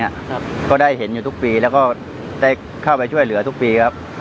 ครับก็ได้เห็นอยู่ทุกปีแล้วก็ได้เข้าไปช่วยเหลือทุกปีครับ